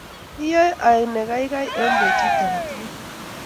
Iyaa aek ne kaikai petut age tugul